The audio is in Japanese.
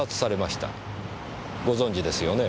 ご存じですよね？